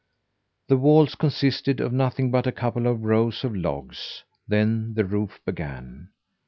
The walls consisted of nothing but a couple of rows of logs; then the roof began.